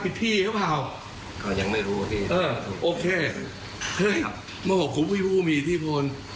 พี่หรือเปล่าก็ยังไม่รู้พี่เออโอเคเฮ้ยมาบอกคุณพี่ผู้มีอิทธิพล